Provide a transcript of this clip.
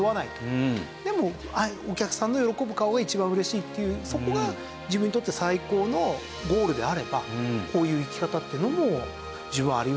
でもお客さんの喜ぶ顔が一番嬉しいっていうそこが自分にとって最高のゴールであればこういう生き方っていうのも十分あり得るんだろうなと。